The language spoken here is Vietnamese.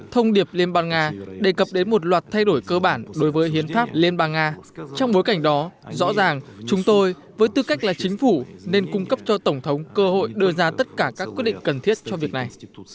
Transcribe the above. thông điệp liên bang nga đề cập đến một loạt thay đổi cơ bản đối với hiến pháp liên bang nga trong bối cảnh đó rõ ràng chúng tôi với tư cách là chính phủ nên cung cấp cho tổng thống cơ hội đưa ra tất cả các quyết định cần thiết cho việc này